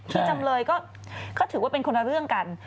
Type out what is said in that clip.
จำเลยก็ถือว่าเป็นคนละเรื่องกัน